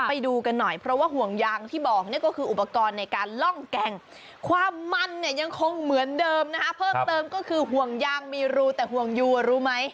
ไปดูกันหน่อยเพราะว่าห่วงยางที่บอกเนี่ยก็คืออุปกรณ์ในการล่องแกงความมันเนี่ยยังคงเหมือนเดิมนะคะเพิ่มเติมก็คือห่วงยางมีรูแต่ห่วงยูอ่ะรู้ไหม